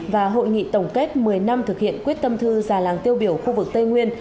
và hội nghị tổng kết một mươi năm thực hiện quyết tâm thư già làng tiêu biểu khu vực tây nguyên